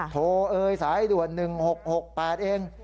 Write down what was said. โถสายด่วน๑๖๖๘เอง